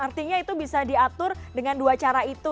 artinya itu bisa diatur dengan dua cara itu